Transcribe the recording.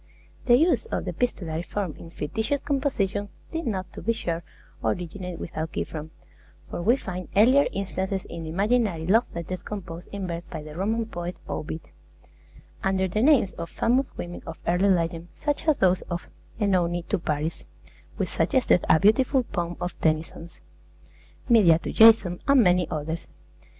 The use of the epistolary form in fictitious composition did not, to be sure, originate with Alciphron; for we find earlier instances in the imaginary love letters composed in verse by the Roman poet, Ovid, under the names of famous women of early legend, such as those of Oenone to Paris (which suggested a beautiful poem of Tennyson's), Medea to Jason, and many others.